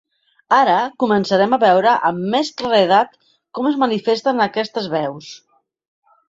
Ara començarem a veure amb més claredat com es manifesten aquestes veus.